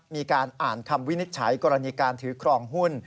มีการอ่านคำวินิจฉัยกรณีการถือครองหุ้น